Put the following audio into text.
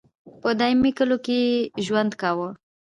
په دایمي کلیو کې یې ژوند کاوه.